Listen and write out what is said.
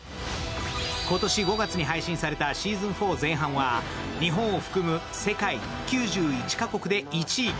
今年５月に配信されたシーズン４前半は、日本を含む世界９１カ国で１位。